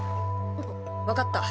分かった。